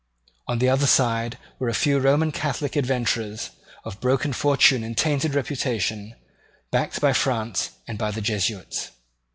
On the other side were a few Roman Catholic adventurers, of broken fortune and tainted reputation, backed by France and by the Jesuits.